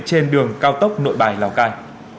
trên đường cao tốc nội bài lào cai